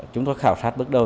chúng tôi khảo sát bước đầu